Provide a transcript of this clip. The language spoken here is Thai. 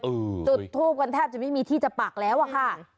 จุดทูบกันแทบจะไม่มีที่จะปักแล้วอะค่ะ